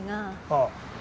ああ。